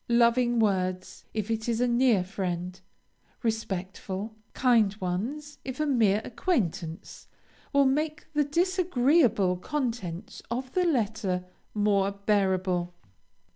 Loving words, if it is a near friend, respectful, kind ones if a mere acquaintance, will make the disagreeable contents of the letter more bearable.